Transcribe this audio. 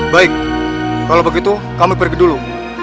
baik kalau begitu kami pergi dulu